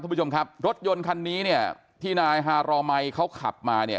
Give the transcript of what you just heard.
ผู้ชมครับรถยนต์คันนี้เนี่ยที่นายฮารอมัยเขาขับมาเนี่ย